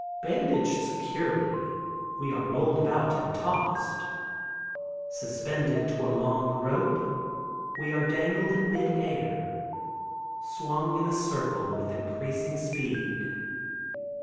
Bandaged securely we are rolled about and tossed. Suspended to a long rope we are dangled in mid air, swung in a circle with increasing speed.